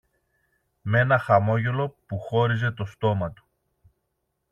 μ' ένα χαμόγελο που χώριζε το στόμα του